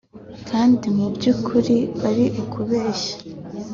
kandi mu by’ukuri ari ukubeshya